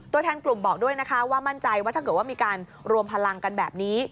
แทนกลุ่มบอกด้วยนะคะว่ามั่นใจว่าถ้าเกิดว่ามีการรวมพลังกันแบบนี้